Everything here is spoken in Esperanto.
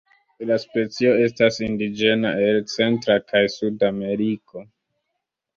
La specio estas indiĝena el Centra kaj Suda Ameriko.